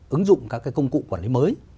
ứng dụng các công cụ quản lý mới